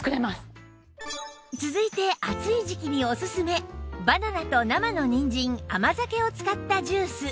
続いて暑い時期におすすめバナナと生のにんじん甘酒を使ったジュース